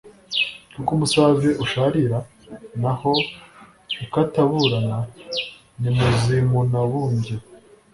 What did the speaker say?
kuko umusave usharira: naho i kataburana, ni muzimunabunge,